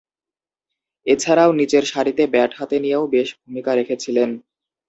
এছাড়াও নিচেরসারিতে ব্যাট হাতে নিয়েও বেশ ভূমিকা রেখেছিলেন।